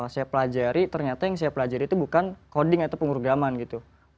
saya pelajari ternyata yang saya pelajari itu bukan coding atau pengurgaman gitu